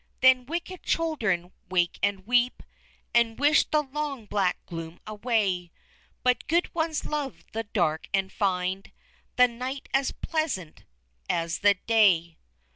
Then wicked children wake and weep, And wish the long black gloom away; But good ones love the dark, and find The night as pleasant as the day.